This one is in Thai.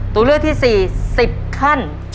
ตัวเลือกที่๔๑๐ขั้น